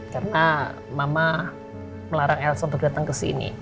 karena mama melarang elsa untuk datang ke sini